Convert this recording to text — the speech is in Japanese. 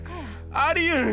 ありえん！